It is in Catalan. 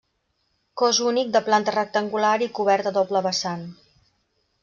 Cos únic de planta rectangular i cobert a doble vessant.